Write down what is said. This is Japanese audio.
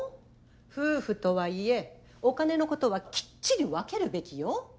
夫婦とはいえお金のことはきっちり分けるべきよ。